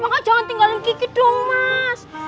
maka jangan tinggalin gigit dong mas